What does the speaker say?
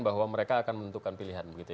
bahwa mereka akan menentukan pilihan